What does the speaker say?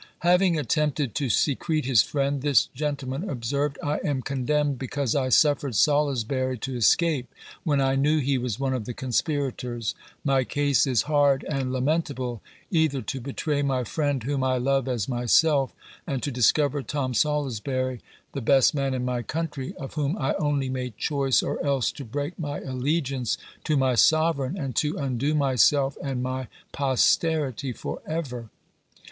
Having attempted to secrete his friend, this gentleman observed, "I am condemned, because I suffered Salusbury to escape, when I knew he was one of the conspirators. My case is hard and lamentable; either to betray my friend, whom I love as myself, and to discover Tom Salusbury, the best man in my country, of whom I only made choice, or else to break my allegiance to my sovereign, and to undo myself and my posterity for ever."